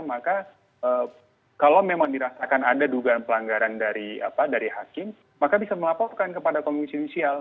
maka kalau memang dirasakan ada dugaan pelanggaran dari hakim maka bisa melaporkan kepada komisi judisial